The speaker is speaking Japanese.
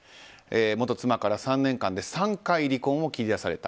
元妻から３年間で３回離婚を切り出された。